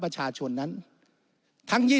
วุฒิสภาจะเขียนไว้ในข้อที่๓๐